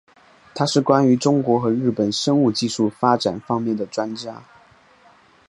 他是关于中国和日本生物技术发展方面的专家。